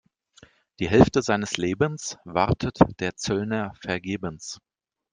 Die Hälfte seines Lebens wartet der Zöllner vergebens.